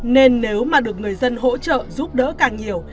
nên nếu mà được người dân hỗ trợ giúp đỡ càng nhiều